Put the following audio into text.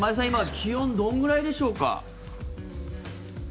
今、気温どのくらいでしょうか？